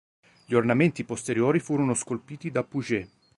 Gli ornamenti posteriori furono scolpiti da Puget.